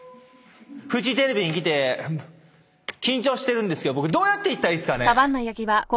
フジテレビに来て緊張してるんですけど僕どうやっていったらいいですかね？